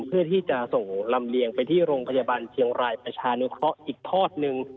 เพื่อที่จะส่งลำเลียงไปที่โรงพยาบาลเชียงรายประชานุเคราะห์อีกทอดหนึ่ง